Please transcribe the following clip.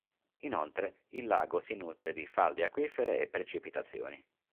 Inoltre, il lago si nutre di falde acquifere e precipitazioni.